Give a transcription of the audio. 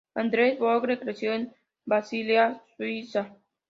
Andreas Vogler creció en Basilea, Suiza.